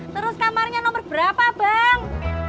terus kamarnya nomor berapa bang